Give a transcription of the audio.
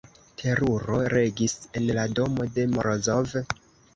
Teruro regis en la domo de Morozov.